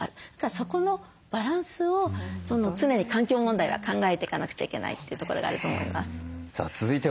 そこのバランスを常に環境問題は考えていかなくちゃいけないというところがあると思います。